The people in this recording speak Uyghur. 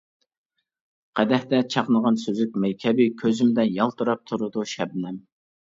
قەدەھتە چاقنىغان سۈزۈك مەي كەبى كۆزۈمدە يالتىراپ تۇرىدۇ شەبنەم.